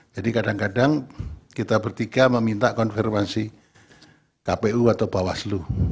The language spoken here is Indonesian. jadi kadang kadang kita bertiga meminta konfirmasi kpu atau bahwa selu